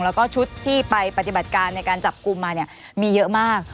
แล้วก็ชุดที่ไปปฏิบัติการในการจับกลุ่มมาเนี่ยมีเยอะมาก